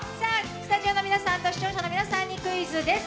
スタジオの皆さんと視聴者の皆さんにクイズです。